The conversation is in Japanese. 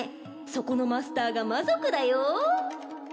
そこのマスターが魔族だよ